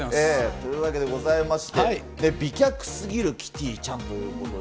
というわけでございまして、美脚すぎるキティちゃんということで。